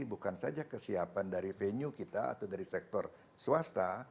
bukan saja kesiapan dari venue kita atau dari sektor swasta